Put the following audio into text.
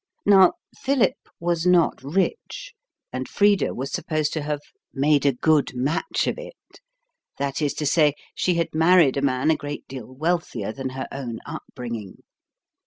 Now, Philip was not rich, and Frida was supposed to have "made a good match of it" that is to say, she had married a man a great deal wealthier than her own upbringing.